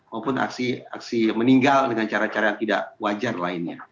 maupun aksi meninggal dengan cara cara yang tidak wajar lainnya